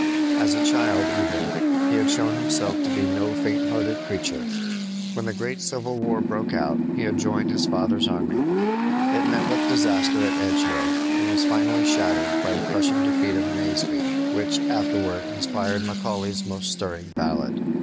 As a child, even, he had shown himself to be no faint hearted creature. When the great Civil War broke out he had joined his father's army. It met with disaster at Edgehill, and was finally shattered by the crushing defeat of Naseby, which afterward inspired Macaulay's most stirring ballad.